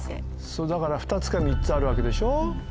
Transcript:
そうだから２つか３つあるわけでしょ？